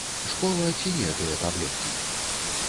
Школа ці не тыя таблеткі?